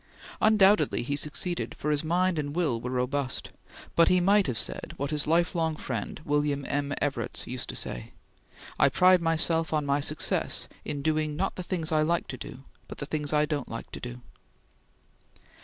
Undoubtedly he succeeded, for his mind and will were robust, but he might have said what his lifelong friend William M. Evarts used to say: "I pride myself on my success in doing not the things I like to do, but the things I don't like to do."